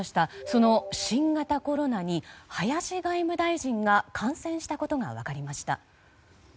その新型コロナに林外務大臣が感染したことが分かりました。